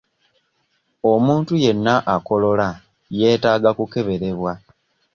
Omuntu yenna akolola yeetaaga kukeberebwa.